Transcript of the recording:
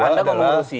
gak lebih dari